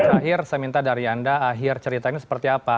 akhir saya minta dari anda akhir cerita ini seperti apa